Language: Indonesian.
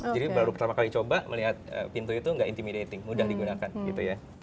jadi baru pertama kali coba melihat pintu itu tidak intimidating mudah digunakan gitu ya